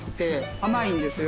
甘いんですよ